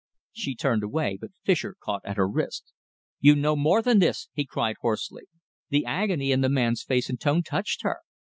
She turned away, but Fischer caught at her wrist. "You know more than this!" he cried hoarsely. The agony in the man's face and tone touched her.